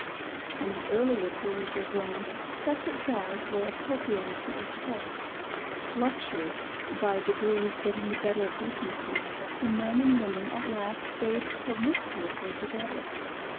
In the earlier periods of Rome, separate baths were appropriated to each sex. Luxury, by degrees getting the better of decency, the men and women at last bathed promiscuously together.